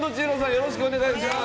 よろしくお願いします。